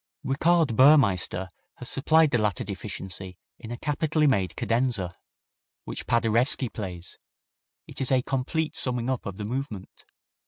Richard Burmeister has supplied the latter deficiency in a capitally made cadenza, which Paderewski plays. It is a complete summing up of the movement.